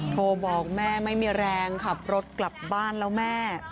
โทรบอกแม่ไม่มีแรงขับรถกลับบ้านแล้วแม่